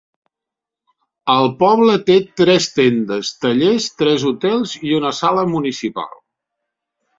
El poble té tres tendes, tallers, tres hotels i una sala municipal.